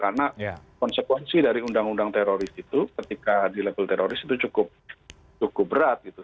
karena konsekuensi dari undang undang teroris itu ketika dilebel teroris itu cukup berat gitu